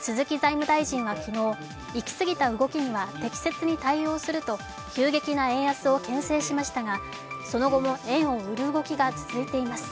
鈴木財務大臣は昨日、いきすぎた動きには適切に対応すると急激な円安をけん制しましたがその後も円を売る動きが続いています。